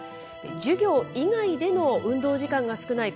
授業以外での運動時間が少ない